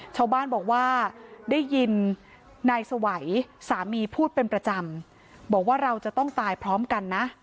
ชาวบ้านบอกว่าได้ยินนายสวัยสามีพูดเป็นประจำบอกว่าเราจะต้องตายพร้อมกันนะ